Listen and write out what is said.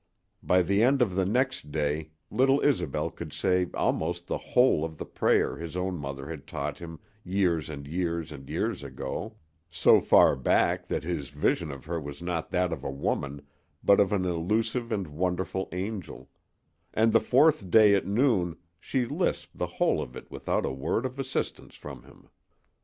By the end of the next day little Isobel could say almost the whole of the prayer his own mother had taught him years and years and years ago, so far back that his vision of her was not that of a woman, but of an elusive and wonderful angel; and the fourth day at noon she lisped the whole of it without a word of assistance from him.